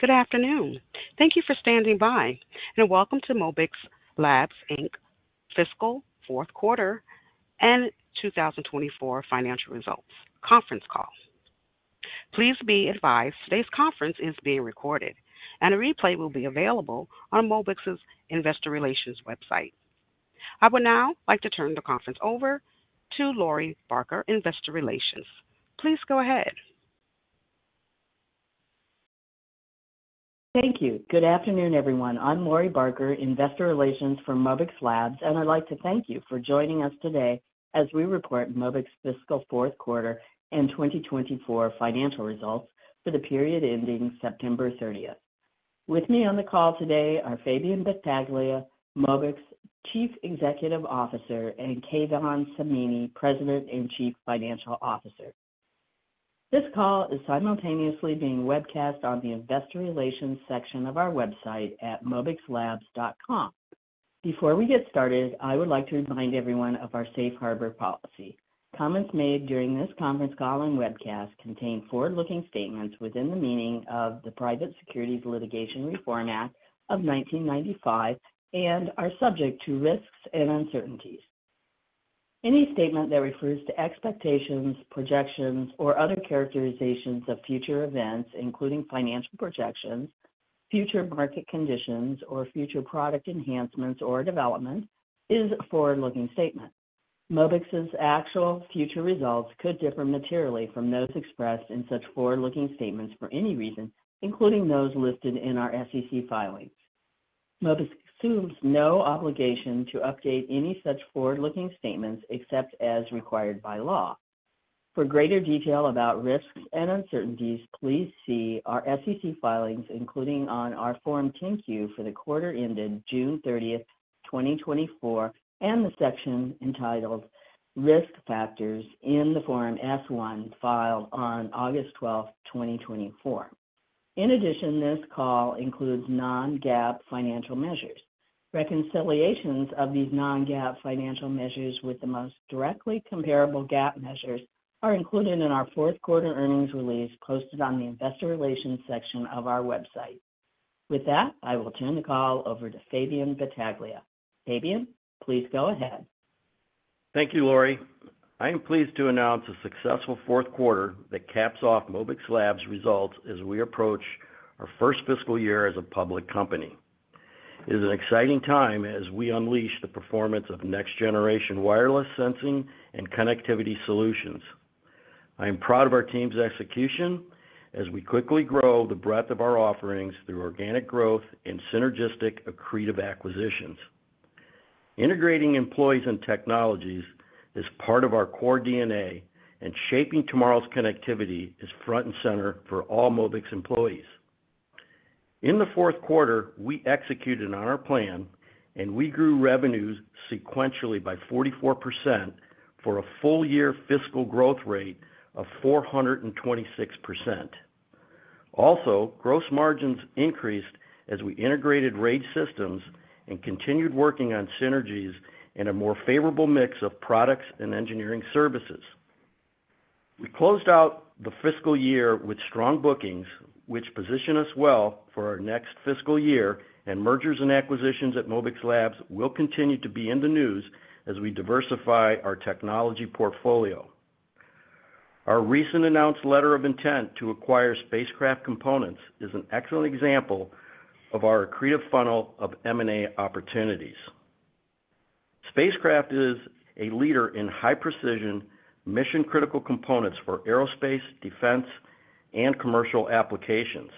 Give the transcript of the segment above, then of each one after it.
Good afternoon. Thank you for standing by and welcome to Mobix Labs Inc. Fiscal fourth quarter and 2024 financial results conference call. Please be advised today's conference is being recorded, and a replay will be available on Mobix's Investor Relations website. I would now like to turn the conference over to Lori Barker, Investor Relations. Please go ahead. Thank you. Good afternoon, everyone. I'm Lori Barker, Investor Relations for Mobix Labs, and I'd like to thank you for joining us today as we report Mobix Fiscal Fourth Quarter and 2024 Financial Results for the period ending September 30th. With me on the call today are Fabian Battaglia, Mobix Chief Executive Officer, and Keyvan Samini, President and Chief Financial Officer. This call is simultaneously being webcast on the Investor Relations section of our website at mobixlabs.com. Before we get started, I would like to remind everyone of our Safe Harbor policy. Comments made during this conference call and webcast contain forward-looking statements within the meaning of the Private Securities Litigation Reform Act of 1995 and are subject to risks and uncertainties. Any statement that refers to expectations, projections, or other characterizations of future events, including financial projections, future market conditions, or future product enhancements or development, is a forward-looking statement. Mobix's actual future results could differ materially from those expressed in such forward-looking statements for any reason, including those listed in our SEC filings. Mobix assumes no obligation to update any such forward-looking statements except as required by law. For greater detail about risks and uncertainties, please see our SEC filings, including on our Form 10-Q for the quarter ended June 30th, 2024, and the section entitled Risk Factors in the Form S-1 filed on August 12th, 2024. In addition, this call includes non-GAAP financial measures. Reconciliations of these non-GAAP financial measures with the most directly comparable GAAP measures are included in our fourth quarter earnings release posted on the Investor Relations section of our website. With that, I will turn the call over to Fabian Battaglia. Fabian, please go ahead. Thank you, Lori. I am pleased to announce a successful fourth quarter that caps off Mobix Labs' results as we approach our first fiscal year as a public company. It is an exciting time as we unleash the performance of next-generation wireless sensing and connectivity solutions. I am proud of our team's execution as we quickly grow the breadth of our offerings through organic growth and synergistic accretive acquisitions. Integrating employees and technologies is part of our core DNA, and shaping tomorrow's connectivity is front and center for all Mobix employees. In the fourth quarter, we executed on our plan, and we grew revenues sequentially by 44% for a full-year fiscal growth rate of 426%. Also, gross margins increased as we integrated RaGE Systems and continued working on synergies in a more favorable mix of products and engineering services. We closed out the fiscal year with strong bookings, which position us well for our next fiscal year, and mergers and acquisitions at Mobix Labs will continue to be in the news as we diversify our technology portfolio. Our recent announced letter of intent to acquire Spacecraft Components is an excellent example of our accretive funnel of M&A opportunities. Spacecraft Components is a leader in high-precision, mission-critical components for aerospace, defense, and commercial applications.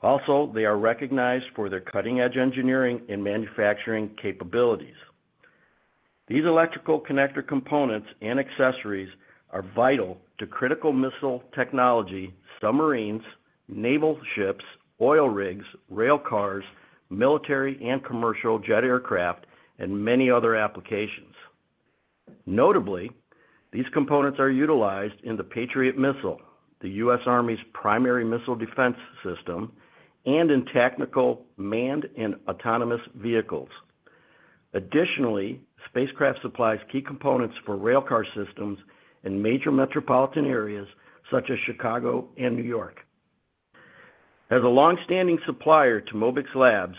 Also, they are recognized for their cutting-edge engineering and manufacturing capabilities. These electrical connector components and accessories are vital to critical missile technology, submarines, naval ships, oil rigs, rail cars, military and commercial jet aircraft, and many other applications. Notably, these components are utilized in the Patriot missile, the U.S. Army's primary missile defense system, and in technical manned and autonomous vehicles. Additionally, Spacecraft supplies key components for rail car systems in major metropolitan areas such as Chicago and New York. As a long-standing supplier to Mobix Labs,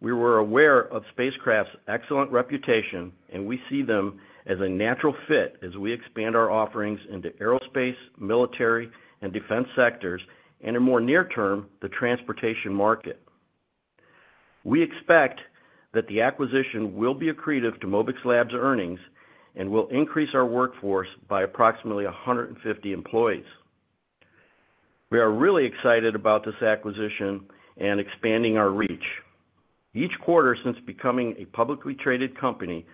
we were aware of Spacecraft's excellent reputation, and we see them as a natural fit as we expand our offerings into aerospace, military, and defense sectors, and in more near term, the transportation market. We expect that the acquisition will be accretive to Mobix Labs' earnings and will increase our workforce by approximately 150 employees. We are really excited about this acquisition and expanding our reach. Each quarter since becoming a publicly traded company,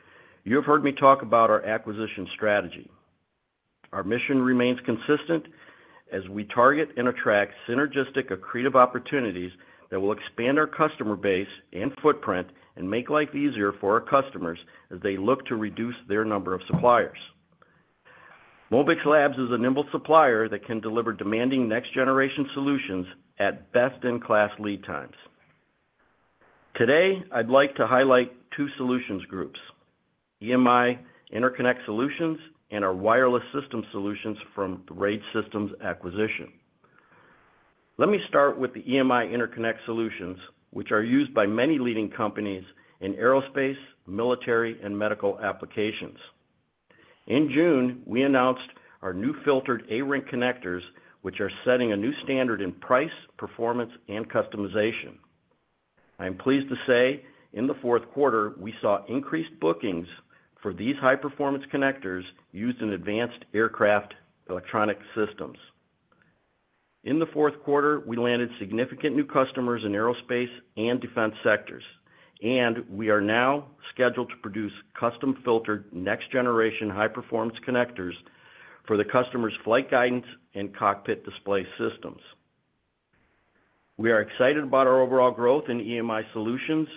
you have heard me talk about our acquisition strategy. Our mission remains consistent as we target and attract synergistic accretive opportunities that will expand our customer base and footprint and make life easier for our customers as they look to reduce their number of suppliers. Mobix Labs is a nimble supplier that can deliver demanding next-generation solutions at best-in-class lead times. Today, I'd like to highlight two solutions groups: EMI Interconnect Solutions and our wireless system solutions from RaGE Systems acquisition. Let me start with the EMI Interconnect Solutions, which are used by many leading companies in aerospace, military, and medical applications. In June, we announced our new filtered ARINC connectors, which are setting a new standard in price, performance, and customization. I am pleased to say in the fourth quarter, we saw increased bookings for these high-performance connectors used in advanced aircraft electronic systems. In the fourth quarter, we landed significant new customers in aerospace and defense sectors, and we are now scheduled to produce custom-filtered next-generation high-performance connectors for the customer's flight guidance and cockpit display systems. We are excited about our overall growth in EMI Solutions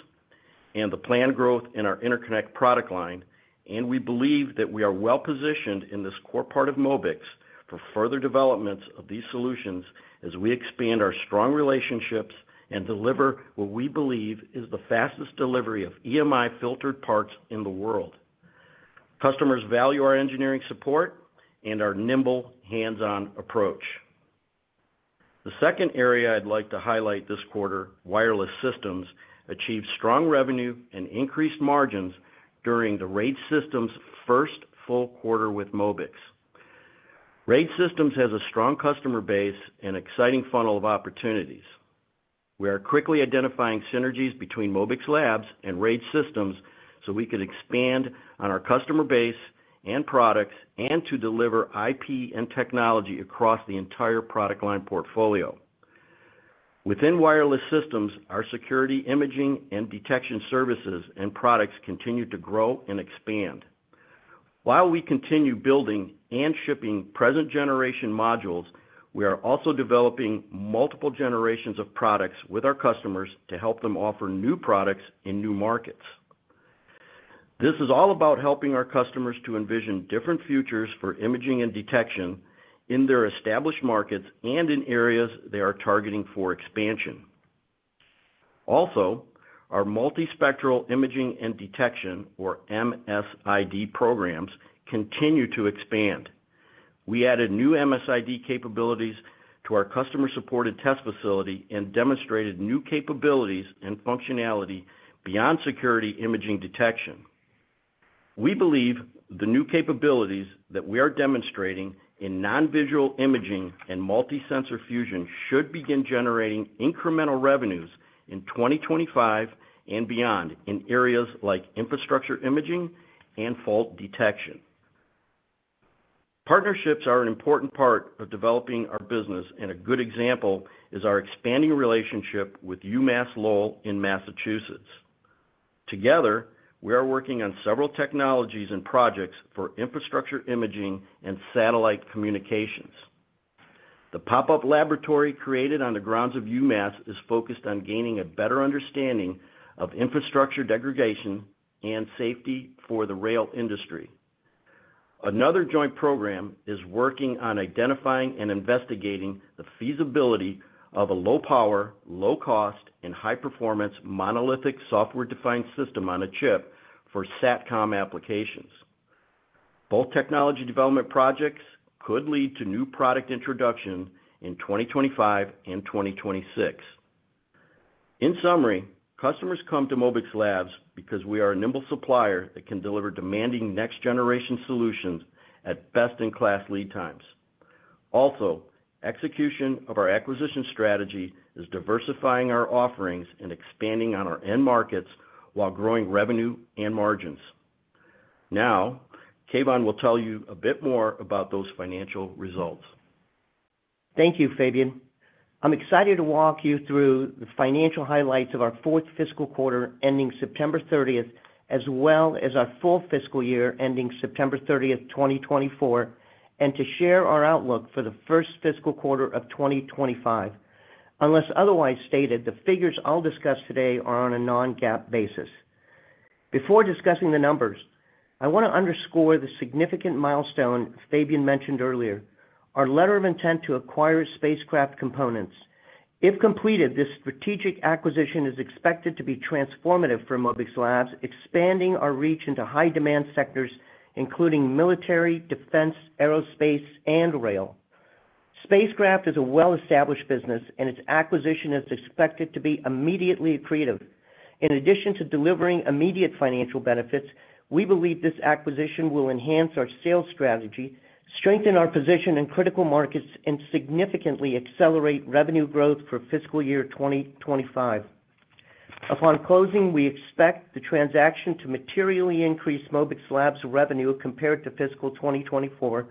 and the planned growth in our Interconnect product line, and we believe that we are well-positioned in this core part of Mobix for further developments of these solutions as we expand our strong relationships and deliver what we believe is the fastest delivery of EMI filtered parts in the world. Customers value our engineering support and our nimble hands-on approach. The second area I'd like to highlight this quarter, wireless systems, achieved strong revenue and increased margins during the RaGE Systems first full quarter with Mobix. RaGE Systems has a strong customer base and exciting funnel of opportunities. We are quickly identifying synergies between Mobix Labs and RaGE Systems so we can expand on our customer base and products and to deliver IP and technology across the entire product line portfolio. Within wireless systems, our security imaging and detection services and products continue to grow and expand. While we continue building and shipping present-generation modules, we are also developing multiple generations of products with our customers to help them offer new products in new markets. This is all about helping our customers to envision different futures for imaging and detection in their established markets and in areas they are targeting for expansion. Also, our multi-spectral imaging and detection, or MSID programs, continue to expand. We added new MSID capabilities to our customer-supported test facility and demonstrated new capabilities and functionality beyond security imaging and detection. We believe the new capabilities that we are demonstrating in non-visual imaging and multi-sensor fusion should begin generating incremental revenues in 2025 and beyond in areas like infrastructure imaging and fault detection. Partnerships are an important part of developing our business, and a good example is our expanding relationship with UMass Lowell in Massachusetts. Together, we are working on several technologies and projects for infrastructure imaging and satellite communications. The pop-up laboratory created on the grounds of UMass is focused on gaining a better understanding of infrastructure degradation and safety for the rail industry. Another joint program is working on identifying and investigating the feasibility of a low-power, low-cost, and high-performance monolithic software-defined system on a chip for SATCOM applications. Both technology development projects could lead to new product introduction in 2025 and 2026. In summary, customers come to Mobix Labs because we are a nimble supplier that can deliver demanding next-generation solutions at best-in-class lead times. Also, execution of our acquisition strategy is diversifying our offerings and expanding on our end markets while growing revenue and margins. Now, Keyvan will tell you a bit more about those financial results. Thank you, Fabian. I'm excited to walk you through the financial highlights of our fourth fiscal quarter ending September 30th, as well as our full fiscal year ending September 30th, 2024, and to share our outlook for the first fiscal quarter of 2025. Unless otherwise stated, the figures I'll discuss today are on a non-GAAP basis. Before discussing the numbers, I want to underscore the significant milestone Fabian mentioned earlier, our letter of intent to acquire Spacecraft Components. If completed, this strategic acquisition is expected to be transformative for Mobix Labs, expanding our reach into high-demand sectors, including military, defense, aerospace, and rail. Spacecraft Components is a well-established business, and its acquisition is expected to be immediately accretive. In addition to delivering immediate financial benefits, we believe this acquisition will enhance our sales strategy, strengthen our position in critical markets, and significantly accelerate revenue growth for fiscal year 2025. Upon closing, we expect the transaction to materially increase Mobix Labs' revenue compared to fiscal 2024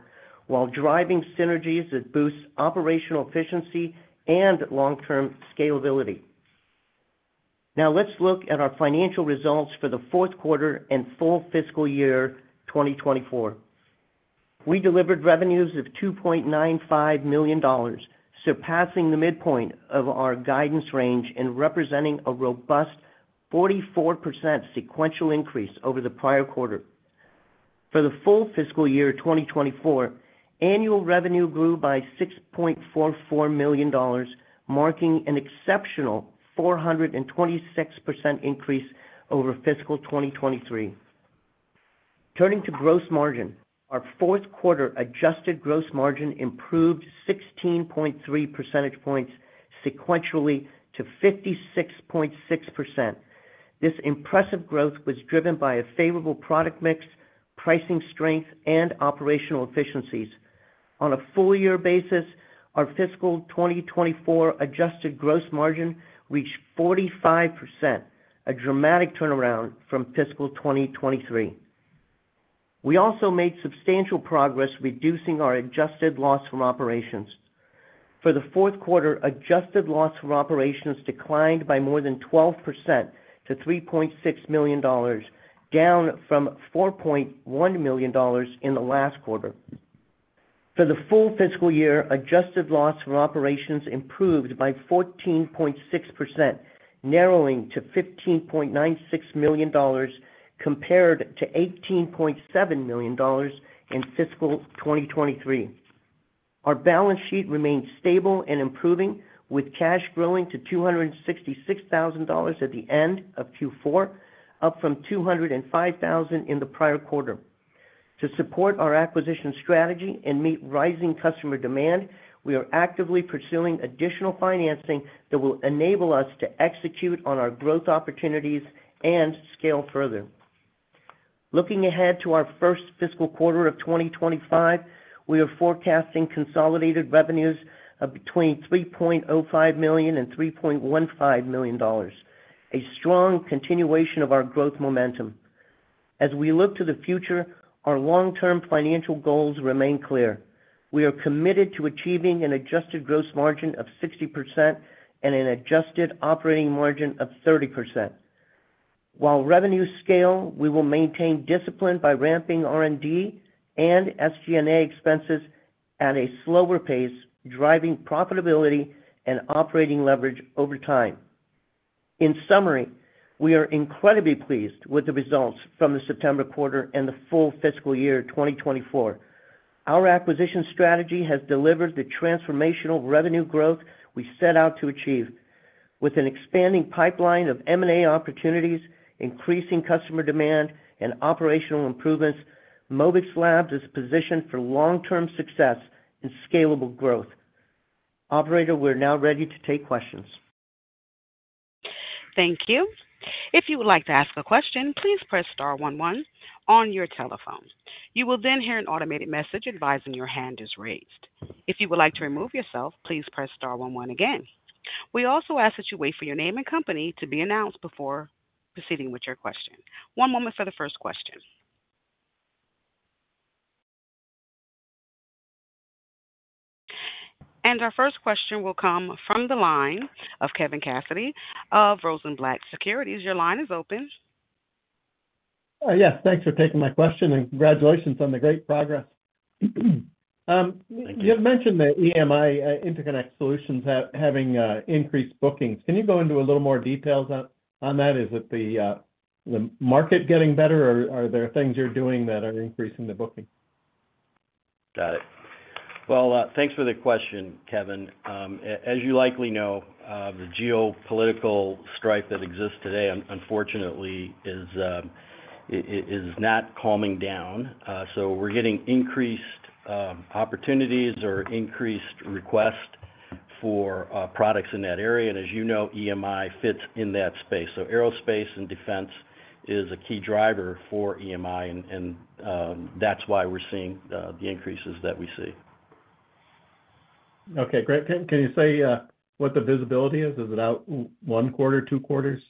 while driving synergies that boost operational efficiency and long-term scalability. Now, let's look at our financial results for the fourth quarter and full fiscal year 2024. We delivered revenues of $2.95 million, surpassing the midpoint of our guidance range and representing a robust 44% sequential increase over the prior quarter. For the full fiscal year 2024, annual revenue grew by $6.44 million, marking an exceptional 426% increase over fiscal 2023. Turning to gross margin, our fourth quarter adjusted gross margin improved 16.3 percentage points sequentially to 56.6%. This impressive growth was driven by a favorable product mix, pricing strength, and operational efficiencies. On a full-year basis, our fiscal 2024 adjusted gross margin reached 45%, a dramatic turnaround from fiscal 2023. We also made substantial progress reducing our adjusted loss from operations. For the fourth quarter, adjusted loss from operations declined by more than 12% to $3.6 million, down from $4.1 million in the last quarter. For the full fiscal year, adjusted loss from operations improved by 14.6%, narrowing to $15.96 million compared to $18.7 million in fiscal 2023. Our balance sheet remained stable and improving, with cash growing to $266,000 at the end of Q4, up from $205,000 in the prior quarter. To support our acquisition strategy and meet rising customer demand, we are actively pursuing additional financing that will enable us to execute on our growth opportunities and scale further. Looking ahead to our first fiscal quarter of 2025, we are forecasting consolidated revenues of between $3.05 million and $3.15 million, a strong continuation of our growth momentum. As we look to the future, our long-term financial goals remain clear. We are committed to achieving an adjusted gross margin of 60% and an adjusted operating margin of 30%. While revenues scale, we will maintain discipline by ramping R&D and SG&A expenses at a slower pace, driving profitability and operating leverage over time. In summary, we are incredibly pleased with the results from the September quarter and the full fiscal year 2024. Our acquisition strategy has delivered the transformational revenue growth we set out to achieve. With an expanding pipeline of M&A opportunities, increasing customer demand, and operational improvements, Mobix Labs is positioned for long-term success and scalable growth. Operator, we're now ready to take questions. Thank you. If you would like to ask a question, please press star one one on your telephone. You will then hear an automated message advising your hand is raised. If you would like to remove yourself, please press star one one again. We also ask that you wait for your name and company to be announced before proceeding with your question. One moment for the first question. And our first question will come from the line of Kevin Cassidy of Rosenblatt Securities. Your line is open. Yes, thanks for taking my question, and congratulations on the great progress. You have mentioned that EMI Interconnect Solutions is having increased bookings. Can you go into a little more details on that? Is it the market getting better, or are there things you're doing that are increasing the booking? Got it. Well, thanks for the question, Kevin. As you likely know, the geopolitical strife that exists today, unfortunately, is not calming down. So we're getting increased opportunities or increased requests for products in that area. And as you know, EMI fits in that space. So aerospace and defense is a key driver for EMI, and that's why we're seeing the increases that we see. Okay, great. Can you say what the visibility is? Is it out one quarter, two quarters?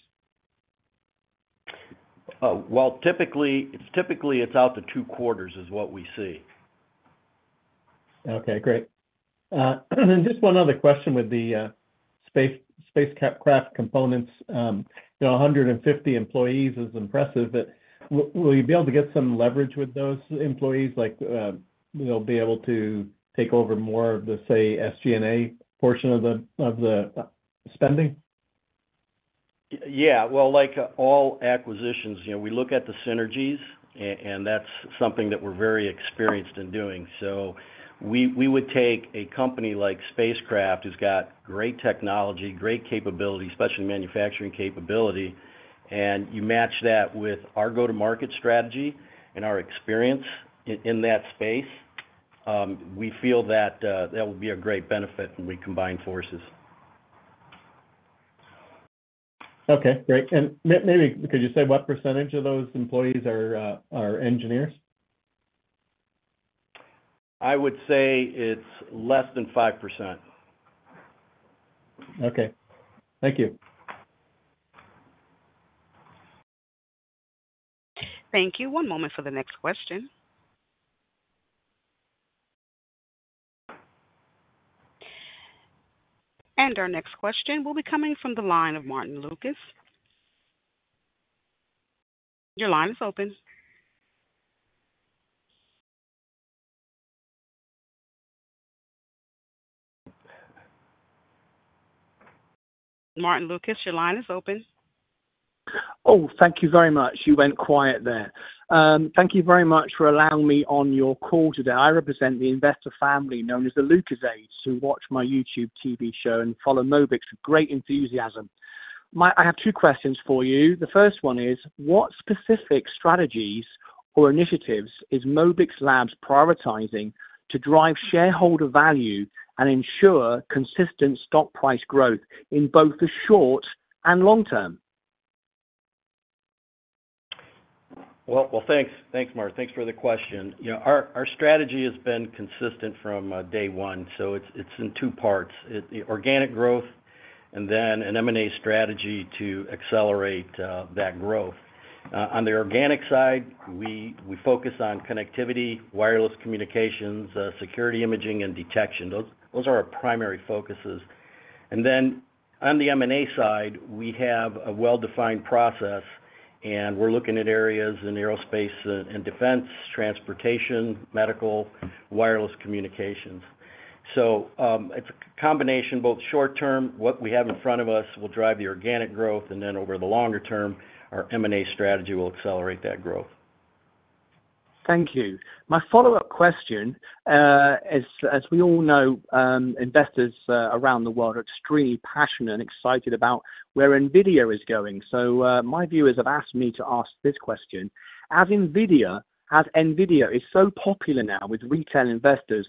Typically, it's out to two quarters is what we see. Okay, great, and just one other question with the spacecraft components. 150 employees is impressive, but will you be able to get some leverage with those employees? Like, they'll be able to take over more of the, say, SG&A portion of the spending? Yeah. Well, like all acquisitions, we look at the synergies, and that's something that we're very experienced in doing. So we would take a company like Spacecraft, who's got great technology, great capability, especially manufacturing capability, and you match that with our go-to-market strategy and our experience in that space, we feel that that would be a great benefit when we combine forces. Okay, great. And maybe could you say what percentage of those employees are engineers? I would say it's less than 5%. Okay. Thank you. Thank you. One moment for the next question. And our next question will be coming from the line of Martin Lucas. Your line is open. Martin Lucas, your line is open. Oh, thank you very much. You went quiet there. Thank you very much for allowing me on your call today. I represent the investor family known as the Lucasades, who watch my YouTube TV show and follow Mobix with great enthusiasm. I have two questions for you. The first one is, what specific strategies or initiatives is Mobix Labs prioritizing to drive shareholder value and ensure consistent stock price growth in both the short and long term? Thanks, Mark. Thanks for the question. Our strategy has been consistent from day one, so it's in two parts: organic growth and then an M&A strategy to accelerate that growth. On the organic side, we focus on connectivity, wireless communications, security imaging, and detection. Those are our primary focuses. Then on the M&A side, we have a well-defined process, and we're looking at areas in aerospace and defense, transportation, medical, wireless communications. So it's a combination of both short-term. What we have in front of us will drive the organic growth, and then over the longer term, our M&A strategy will accelerate that growth. Thank you. My follow-up question, as we all know, investors around the world are extremely passionate and excited about where NVIDIA is going. So my viewers have asked me to ask this question. As NVIDIA is so popular now with retail investors,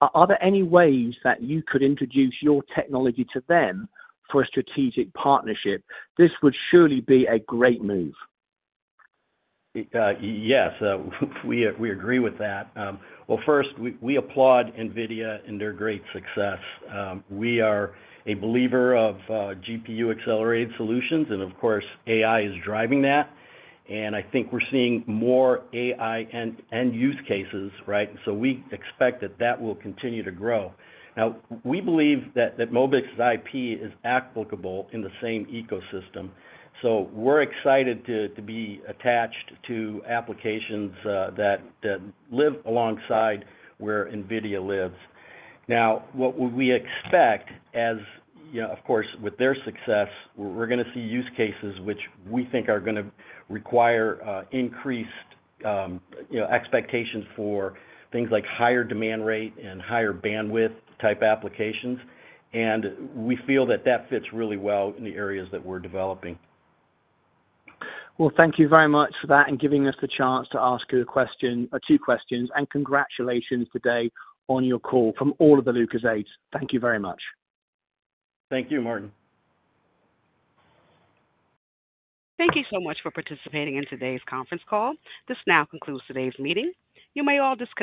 are there any ways that you could introduce your technology to them for a strategic partnership? This would surely be a great move. Yes, we agree with that. Well, first, we applaud NVIDIA and their great success. We are a believer of GPU-accelerated solutions, and of course, AI is driving that. And I think we're seeing more AI and use cases, right? So we expect that that will continue to grow. Now, we believe that Mobix's IP is applicable in the same ecosystem. So we're excited to be attached to applications that live alongside where NVIDIA lives. Now, what we expect, as of course, with their success, we're going to see use cases which we think are going to require increased expectations for things like higher demand rate and higher bandwidth type applications. And we feel that that fits really well in the areas that we're developing. Thank you very much for that and giving us the chance to ask you a question, two questions, and congratulations today on your call from all of the Lucasades. Thank you very much. Thank you, Martin. Thank you so much for participating in today's conference call. This now concludes today's meeting. You may all disconnect.